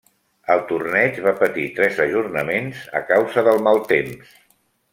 El torneig va patir tres ajornaments a causa del mal temps.